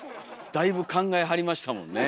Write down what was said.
だいぶ考えはりましたもんね。